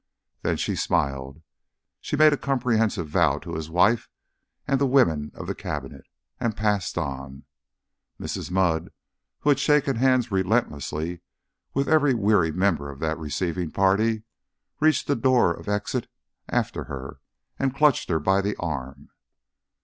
Then she smiled, made a comprehensive bow to his wife and the women of the Cabinet, and passed on. Mrs. Mudd, who had shaken hands relentlessly with every weary member of the receiving party, reached the door of exit after her and clutched her by the arm.